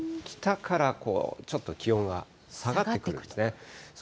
北からちょっと気温が下がってくるんですね。